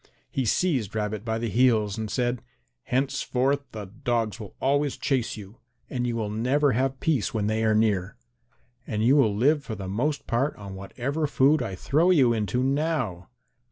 He seized Rabbit by the heels and said, "Henceforth the dogs will always chase you, and you will never have peace when they are near. And you will live for the most part on whatever food I throw you into now."